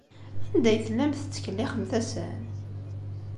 Anda ay tellamt tettkellixemt-asen?